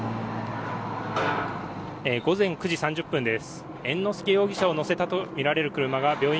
午前９時３０分です。